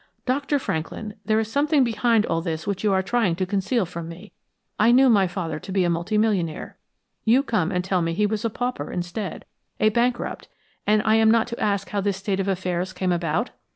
Dr. Franklin, there is something behind all this which you are trying to conceal from me. I knew my father to be a multi millionaire. You come and tell me he was a pauper instead, a bankrupt; and I am not to ask how this state of affairs came about?